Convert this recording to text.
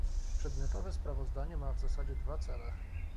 Przedmiotowe sprawozdanie ma w zasadzie dwa cele